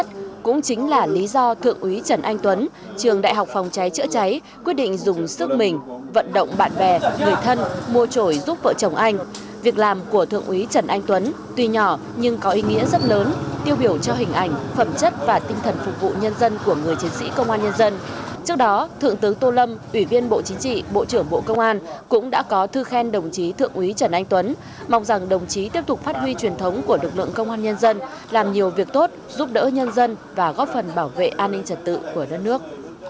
trước đó thượng tướng tô lâm ủy viên bộ chính trị bộ trưởng bộ công an cũng đã có thư khen đồng chí thượng úy trần anh tuấn mong rằng đồng chí tiếp tục phát huy truyền thống của lực lượng công an nhân dân làm nhiều việc tốt giúp đỡ nhân dân và góp phần bảo vệ an ninh trật tự của đất nước